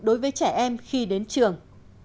đối với trẻ em khi đến trường